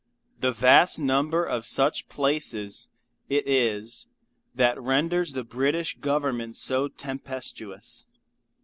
The vast number of such places it is that renders the British Government so tempestuous.